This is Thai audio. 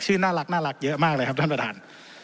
น่ารักเยอะมากเลยครับท่านประธาน